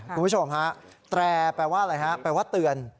คุณผู้ชมฮะแตรแปลว่าอะไรฮะแปลว่าเตือน